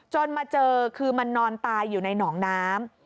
มาเจอคือมันนอนตายอยู่ในหนองน้ำ